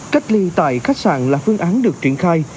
cách ly tại khách sạn là phương án được triển khai